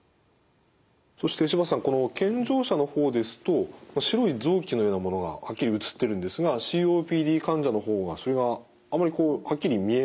そして柴田さんこの健常者の方ですと白い臓器のようなものがはっきり写ってるんですがＣＯＰＤ患者の方はそれがあまりこうはっきり見えません。